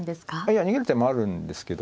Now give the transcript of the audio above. いや逃げる手もあるんですけど。